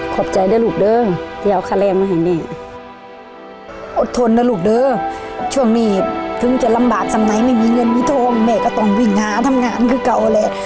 ขอบใจด้วยลูกเดิมที่เอาค่าแรงมาให้แม่อดทนนะลูกเด้อช่วงนี้ถึงจะลำบากสมัยไม่มีเงินมีทองแม่ก็ต้องวิ่งหาทำงานคือเก่าแหละ